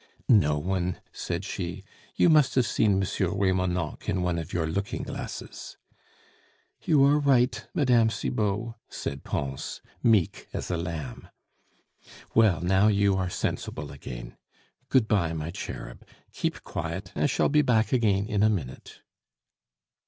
"No one," said she. "You must have seen M. Remonencq in one of your looking glasses." "You are right, Mme. Cibot," said Pons, meek as a lamb. "Well, now you are sensible again.... Good bye, my cherub; keep quiet, I shall be back again in a minute."